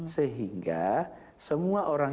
sehingga semua orang